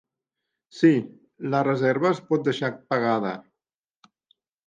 Sí, la reserva es pot deixar pagada.